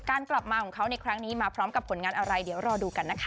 กลับมาของเขาในครั้งนี้มาพร้อมกับผลงานอะไรเดี๋ยวรอดูกันนะคะ